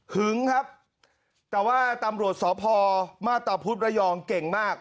หึงครับแต่ว่าตำรวจสอบพอร์มาต่อพุทธระยองเก่งมาก